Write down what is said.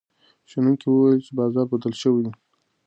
شنونکي وویل چې بازار بدل شوی دی.